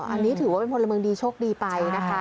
อันนี้ถือว่าเป็นพลเมืองดีโชคดีไปนะคะ